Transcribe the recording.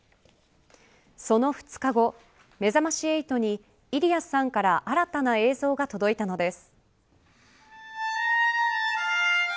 その２日後、めざまし８にイリアさんから新たな映像が届いたのです。